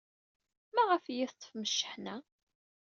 Maɣef ay iyi-teḍḍfem cceḥna?